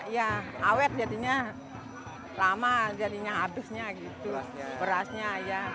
ya awet jadinya lama jadinya habisnya gitu berasnya ya